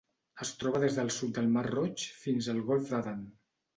Es troba des del sud del Mar Roig fins al Golf d'Aden.